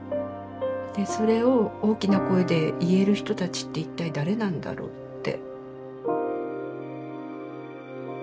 それを大きな声で言える人たちって一体誰なんだろうって。